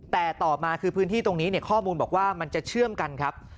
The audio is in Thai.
แต่ต่อมาคือพื้นที่ตรงนี้ข้อมูลบอกว่ามันจะเชื่อมกันครับ